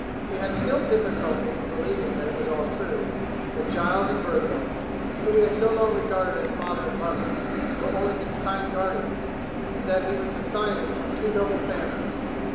He had still difficulty in believing that it was all true, that Giles and Bertha, whom he had so long regarded as father and mother, were only his kind guardians, and that he was the scion of two noble families.